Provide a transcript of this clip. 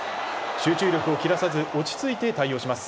集中力を切らさず落ち着いて対応します。